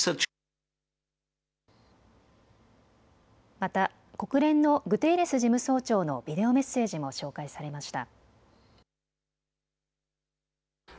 また国連のグテーレス事務総長のビデオメッセージも紹介されました。